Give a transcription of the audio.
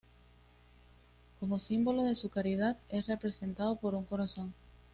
Como símbolo de su caridad es representado por un corazón.